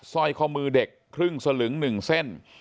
สร้อยข้อมือเด็กครึ่งสลึง๑เส้น